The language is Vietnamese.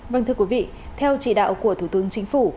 vâng thưa quý vị theo chỉ đạo của thủ tướng chính phủ